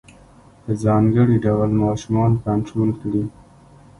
په ځانګړي ډول ماشومان کنترول کړي.